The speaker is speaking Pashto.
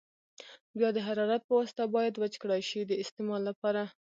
بیا د حرارت په واسطه باید وچ کړای شي د استعمال لپاره.